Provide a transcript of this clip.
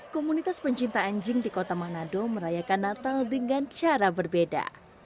komunitas pencinta anjing di kota manado merayakan natal dengan cara berbeda